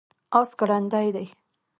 اس ګړندی دی